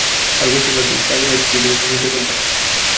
আর বেশির ভাগ ক্ষেত্রে স্বামীরাই স্ত্রীদের ওপর নির্যাতন চালান।